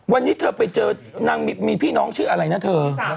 วันนี้เธอไปเจอนางมีพี่น้องชื่ออะไรนะเธอ